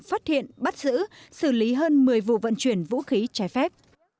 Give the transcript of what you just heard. phát hiện bắt giữ xử lý hơn một mươi vụ vận chuyển vũ khí trái phép